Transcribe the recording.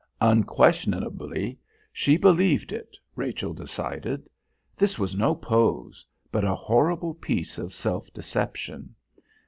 Unquestionably she believed it, Rachel decided. This was no pose, but a horrible piece of self deception.